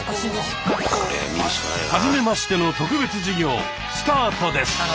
「はじめましての特別授業」スタートです！